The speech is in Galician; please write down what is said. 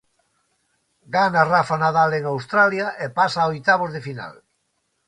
Gana Rafa Nadal en Australia e pasa a oitavos de final.